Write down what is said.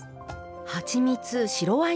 はちみつ白ワイン